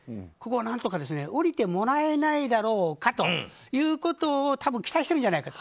何とか降りてもらえないだろうかということを期待してるんじゃないかと。